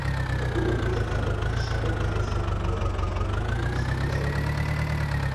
Über Hochblättern erscheinen einzeln oder in kleinen Gruppen bis zu drei Blüten.